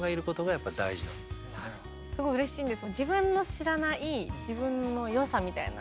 すごいうれしいんです。